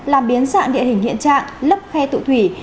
làm biến dạng địa hình hiện trạng lấp khe tụ thủy